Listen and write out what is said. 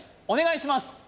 お願いします！